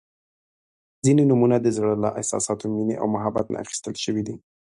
• ځینې نومونه د زړۀ له احساساتو، مینې او محبت نه اخیستل شوي دي.